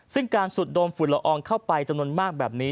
ซึ่งการสุดโดมฝุ่นละอองเข้าไปจำนวนมากแบบนี้